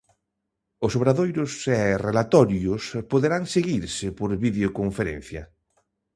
Os obradoiros e relatorios poderán seguirse por vídeo-conferencia.